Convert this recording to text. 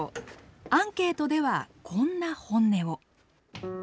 アンケートではこんな本音を。